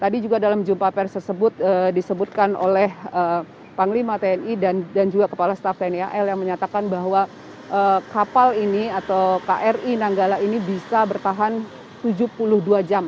tadi juga dalam jumpa pers tersebut disebutkan oleh panglima tni dan juga kepala staff tni al yang menyatakan bahwa kapal ini atau kri nanggala ini bisa bertahan tujuh puluh dua jam